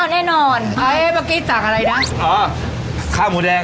อ่ะแน่นอน